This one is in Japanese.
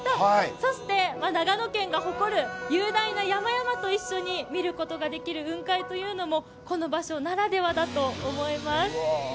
そして長野県が誇る雄大な山々と一緒に見ることができる雲海というのもこの場所ならではだと思います。